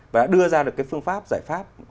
và đưa ra được cái phương pháp giải pháp